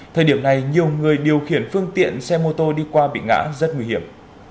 thời điểm này nhiều người điều khiển phương tiện xe mô tô đi qua bị ngã rất nguy hiểm